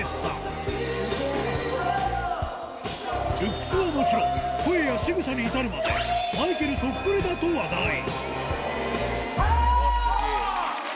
ルックスはもちろん声や仕草に至るまでマイケルそっくりだと話題Ｈａａａａａ！